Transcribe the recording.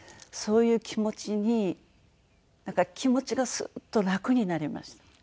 そういう気持ちになんか気持ちがスッと楽になりました。